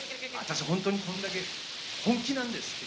私、本当に、こんだけ本気なんですって。